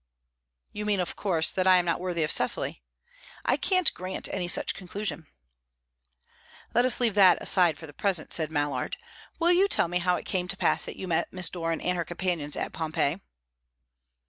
"You mean, of course, that I am not worthy of Cecily. I can't grant any such conclusion." "Let us leave that aside for the present," said Mallard. "Will you tell me how it came to pass that you met Miss Doran and her companions at Pompeii?"